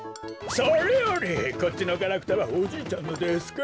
それよりこっちのガラクタはおじいちゃんのですか？